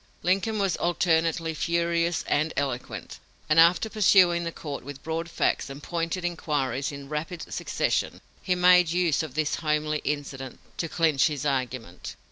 Lincoln was alternately furious and eloquent, and after pursuing the court with broad facts and pointed inquiries in rapid succession, he made use of this homely incident to clinch his argument."